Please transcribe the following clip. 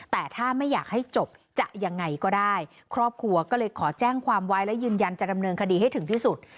แต่ถ้าไม่อยากให้จบจะยังไงก็ได้ครอบครัวก็เลยขอแจ้งความไว้และยืนยันจะดำเนินคดีให้ถึงที่สุด